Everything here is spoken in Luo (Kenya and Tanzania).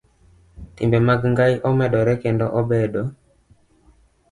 Timbe mag ng'ai omedore kendo obedo